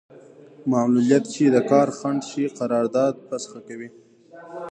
معلولیت چې د کار خنډ شي قرارداد فسخه کوي.